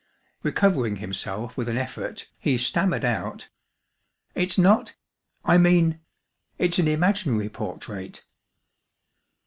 Recovering himself with an effort, he stammered out: "It's not I mean it's an imaginary portrait."